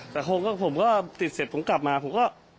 แต่ผมก็ติดเสร็จผมกลับมาผมก็